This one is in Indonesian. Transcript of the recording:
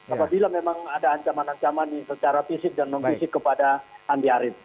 apabila memang ada ancaman ancaman secara fisik dan non fisik kepada andi arief